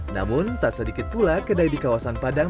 namun tak sedikit pula kedai di kawasan padang